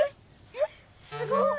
えっすごい！